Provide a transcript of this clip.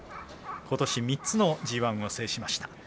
ことし３つのＧＩを制しました。